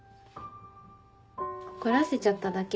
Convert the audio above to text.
怒らせちゃっただけ。